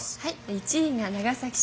１位が長崎市。